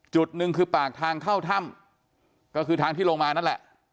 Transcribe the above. จุดหนึ่งคือปากทางเข้าถ้ำก็คือทางที่ลงมานั่นแหละ